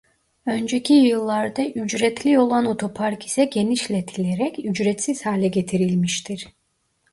Önceki yıllarda ücretli olan otopark ise genişletilerek ücretsiz hale getirilmiştir.